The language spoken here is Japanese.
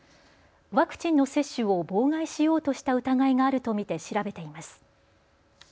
ワクチンの接種を妨害しようとした疑いがあると見て調べています。